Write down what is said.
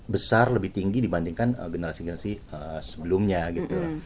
besar lebih tinggi dibandingkan generasi generasi sebelumnya gitu